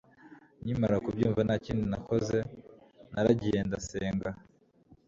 nkimara kubyumva ntakindi nakoze naragiye ndasenga